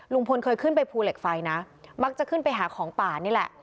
ลุงพลเคยขึ้นไปภูเหล็กไฟนะมักจะขึ้นไปหาของป่านี่แหละ